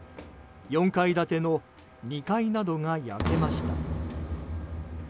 ４階建ての２階などが焼けました。